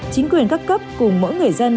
chính quyền các cấp cùng mỗi người dân